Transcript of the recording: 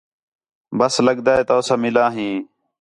بس لڳدا ہِے تؤ ساں مِلا ہیں